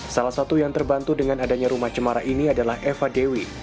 salah satu yang terbantu dengan adanya rumah cemara ini adalah eva dewi